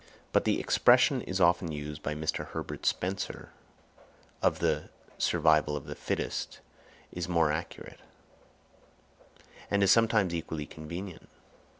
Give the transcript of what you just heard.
But the expression often used by Mr. Herbert Spencer, of the Survival of the Fittest, is more accurate, and is sometimes equally convenient.